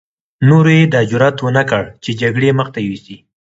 نورو يې دا جرعت ونه کړ چې جګړې مخته يوسي.